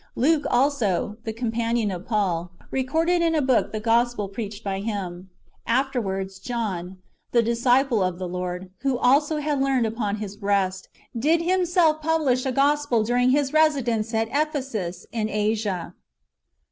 Luke also, the companion of Paul, recorded in a book the gospel preached by him. Afterwards, John, the disciple of the Lord, who also had leaned upon His breast, did himself publish a gospel during his residence at Ephesus in Asia.